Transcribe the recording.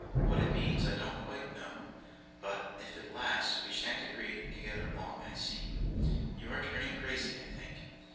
'What it means I don't quite know; but, if it lasts, we shan't agree together long I see. You are turning crazy, I think.